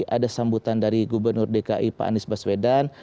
ada sambutan dari gubernur dki pak anies baswedan